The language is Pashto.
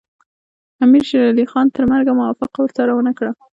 امیر شېر علي خان تر مرګه موافقه ورسره ونه کړه.